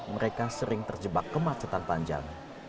mereka sering terjebak ke macetan panjang